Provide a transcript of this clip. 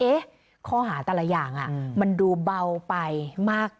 ข้อหาแต่ละอย่างมันดูเบาไปมาก